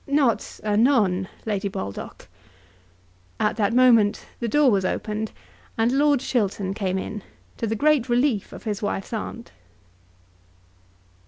"Not a nun, Lady Baldock." At that moment the door was opened, and Lord Chiltern came in, to the great relief of his wife's aunt.